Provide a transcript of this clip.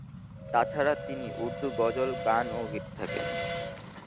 তাছাড়া, তিনি উর্দু গজল গান ও গেয়ে থাকেন।